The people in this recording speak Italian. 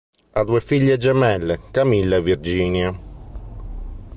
Ha due figlie gemelle, Camilla e Virginia.